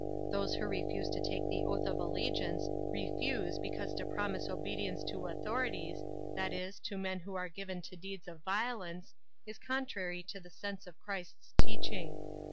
Those who refuse to take the oath of allegiance refuse because to promise obedience to authorities, that is, to men who are given to deeds of violence, is contrary to the sense of Christ's teaching.